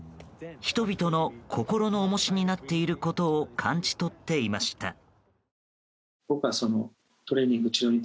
人々の心の重しになっていることを感じ取っていました。